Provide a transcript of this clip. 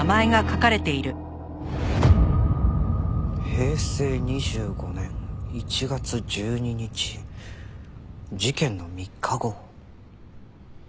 「平成２５年１月１２日」事件の３日後。